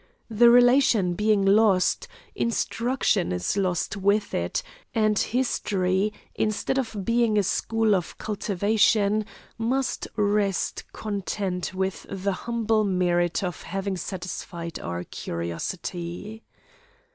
The relation being lost, instruction is lost with it, and history, instead of being a school of cultivation, must rest content with the humble merit of having satisfied our curiosity.